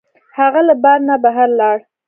هغه له بار نه بهر لاړ.